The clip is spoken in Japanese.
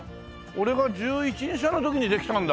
俺が１１１２歳の時にできたんだ。